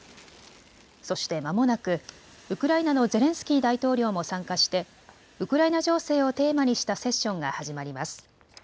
そして間もなく、ウクライナのゼレンスキー大統領も参加して、ウクライナ情勢をテーマにしたセッションが始まります。